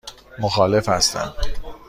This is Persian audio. مخالف هستم.